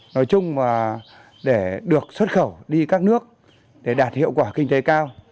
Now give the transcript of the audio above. nói chung và để được xuất khẩu đi các nước để đạt hiệu quả kinh tế cao